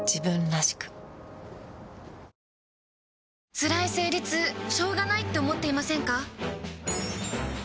つらい生理痛しょうがないって思っていませんか？